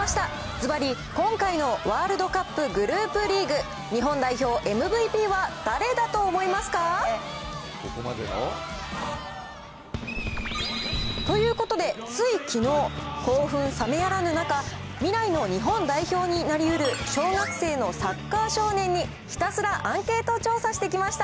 ずばり、今回のワールドカップグループリーグ、日本代表ＭＶＰは誰だと思いますか？ということで、ついきのう、興奮冷めやらぬ中、未来の日本代表になりうる、小学生のサッカー少年にひたすらアンケート調査してきました。